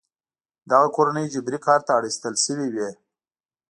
دغه کورنۍ جبري کار ته اړ ایستل شوې وې.